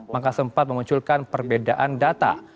maka sempat memunculkan perbedaan data